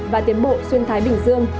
và tiến bộ xuân thái bình dương